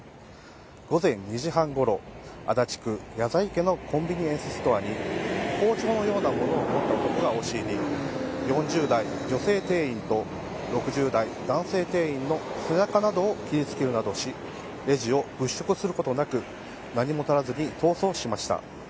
午前２時半ごろ足立区のコンビニエンスストアに包丁のようなものを持った男が押し入り４０代女性店員と６０代男性店員の背中などを切りつけるなどしレジを物色することなく何も取らずに逃走しました。